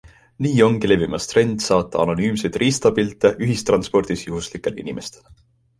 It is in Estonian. Nii ongi levimas trend saata anonüümseid riistapilte ühistranspordis juhuslikele inimestele.